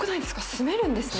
住めるんですね。